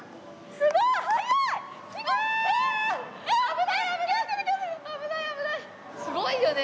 すごいよね？